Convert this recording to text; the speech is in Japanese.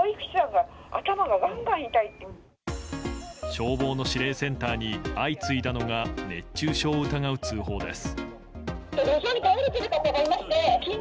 消防の指令センターに相次いだのが熱中症を疑う通報です。